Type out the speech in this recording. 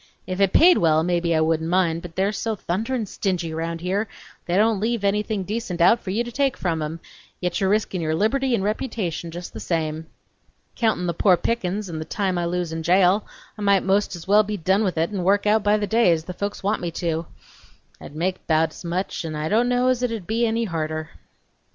If it paid well, mebbe I wouldn't mind, but they're so thunderin' stingy round here, they don't leave anything decent out for you to take from em, yet you're reskin' your liberty n' reputation jest the same!... Countin' the poor pickin's n' the time I lose in jail I might most's well be done with it n' work out by the day, as the folks want me to; I'd make bout's much n' I don't know's it would be any harder!"